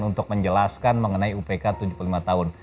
untuk menjelaskan mengenai upk tujuh puluh lima tahun